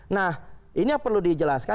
nah ini yang perlu dijelaskan